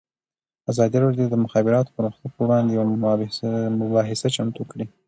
ازادي راډیو د د مخابراتو پرمختګ پر وړاندې یوه مباحثه چمتو کړې.